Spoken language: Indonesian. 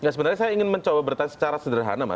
saya ingin mencoba bertanya secara sederhana